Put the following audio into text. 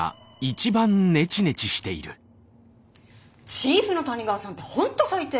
チーフの谷川さんって本当最低。